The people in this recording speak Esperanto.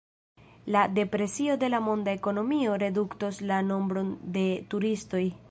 La depresio de la monda ekonomio reduktos la nombron de turistoj.